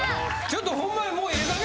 ちょっとホンマにもう。